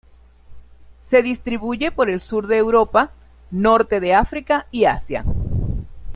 Se distribuye por el sur de Europa, Norte de África y Asia.